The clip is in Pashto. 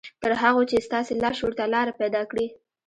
تر هغو چې ستاسې لاشعور ته لاره پيدا کړي.